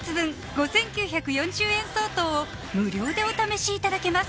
５９４０円相当を無料でお試しいただけます